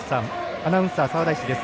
アナウンサーは沢田石です。